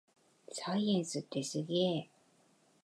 サイエンスってすげぇ